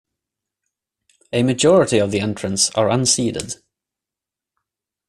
A majority of the entrants are unseeded.